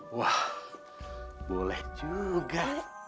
wah boleh juga